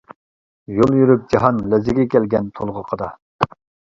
يول يۈرۈپ، جاھان لەرزىگە كەلگەن تولغىقىدا.